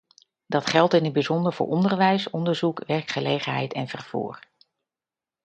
Dat geldt in het bijzonder voor onderwijs, onderzoek, werkgelegenheid en vervoer.